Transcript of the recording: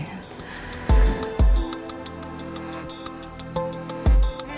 ya udah aku mau